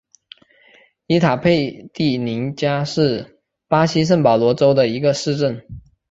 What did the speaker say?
伊塔佩蒂宁加是巴西圣保罗州的一个市镇。